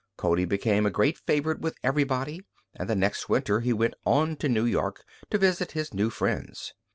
Cody became a great favorite with everybody, and the next winter he went on to New York to visit his new friends.